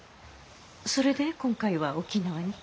それで今回は沖縄に？